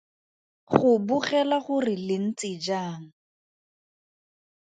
Go bogela gore le ntse jang.